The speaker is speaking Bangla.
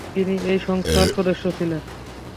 তিনি এই সংস্থার সদস্য ছিলেন।